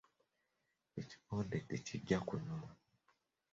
Ekikonde tekijja kunyuma.